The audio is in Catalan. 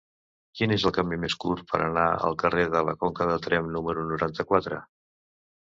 Quin és el camí més curt per anar al carrer de la Conca de Tremp número noranta-quatre?